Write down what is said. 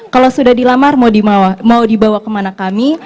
kalau sudah dilamar mau dibawa kemana kami